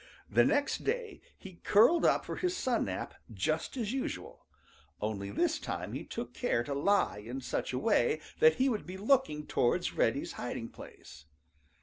The next day he curled up for his sun nap just as usual, only this time he took care to lie in such a way that he would be looking towards Reddy's hiding place.